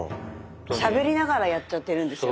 しゃべりながらやっちゃってるんですよ。